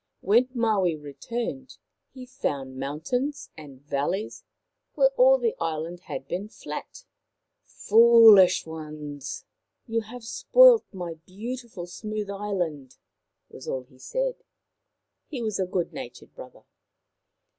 When Maui returned he found mountains and valleys where all the island had been flat. " Foolish ones ! You have spoilt my beautiful smooth island," was all he said. He was a good natured brother.